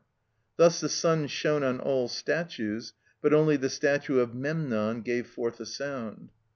Thus the sun shone on all statues, but only the statue of Memnon gave forth a sound.